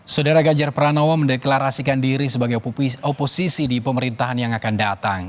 saudara ganjar pranowo mendeklarasikan diri sebagai oposisi di pemerintahan yang akan datang